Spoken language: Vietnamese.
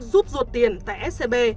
giúp ruột tiền tại scb